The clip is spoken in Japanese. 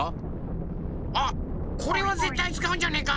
あっこれはぜったいつかうんじゃねえか？